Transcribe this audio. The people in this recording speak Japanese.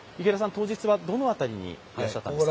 当日はどの辺りにいらっしゃったんですか？